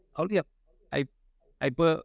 เขาเรียกไอ